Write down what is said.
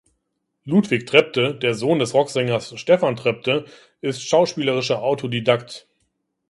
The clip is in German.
Ludwig Trepte, der Sohn des Rocksängers Stephan Trepte, ist schauspielerischer Autodidakt.